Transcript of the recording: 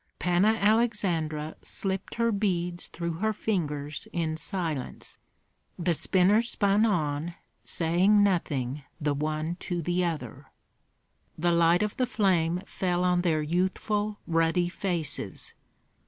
Panna Aleksandra slipped her beads through her fingers in silence; the spinners spun on, saying nothing the one to the other. The light of the flame fell on their youthful, ruddy faces.